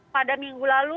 pada minggu lalu